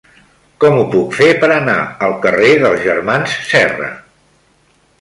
Com ho puc fer per anar al carrer dels Germans Serra?